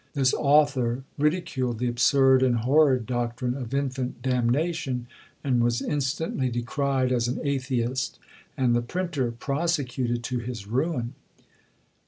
This author ridiculed the absurd and horrid doctrine of infant damnation, and was instantly decried as an atheist, and the printer prosecuted to his ruin!